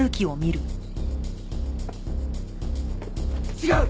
違う！